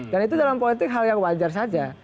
dan itu dalam politik hal yang wajar saja